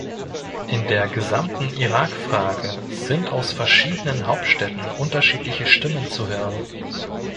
In der gesamten Irak-Frage sind aus verschiedenen Hauptstädten unterschiedliche Stimmen zu hören.